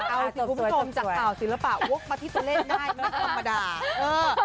เอาสิกุมโจมจากเก่าศิลปะโว๊คมาที่เศรษฐ์ได้ไม่ก็ประดาษ